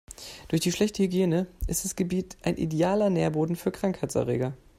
Durch die schlechte Hygiene ist das Gebiet ein idealer Nährboden für Krankheitserreger.